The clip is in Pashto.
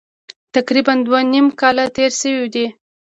تقریبا دوه نیم کاله تېر شوي دي.